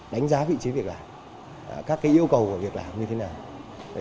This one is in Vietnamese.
đánh giá vị trí việc làm các yêu cầu của việc làm như thế nào